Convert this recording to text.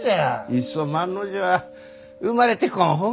いっそ万の字は生まれてこん方がよかったな。